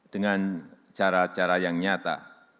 dengan cara cara yang nyata